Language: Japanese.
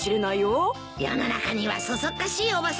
世の中にはそそっかしいおばさんがいるからね。